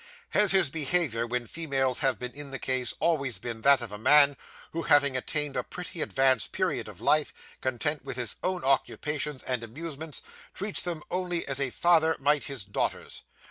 'Has his behaviour, when females have been in the case, always been that of a man, who, having attained a pretty advanced period of life, content with his own occupations and amusements, treats them only as a father might his daughters?